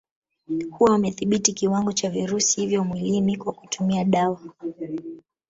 Huwa wamedhibiti kiwango cha virusi hivyo mwilini kwa kutumia dawa